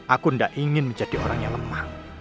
aku tidak ingin menjadi orang yang lemah